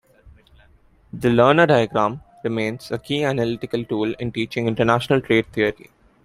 The "Lerner Diagram" remains a key analytical tool in teaching international trade theory.